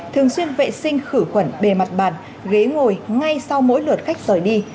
thường xuyên vệ sinh khử khuẩn bề mặt bàn ghế ngồi ngay sau mỗi lượt khách rời đi